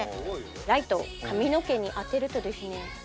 ライトを髪の毛に当てるとですね